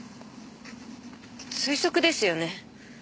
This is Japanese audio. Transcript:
推測ですよね？